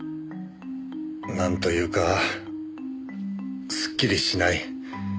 なんというかすっきりしない。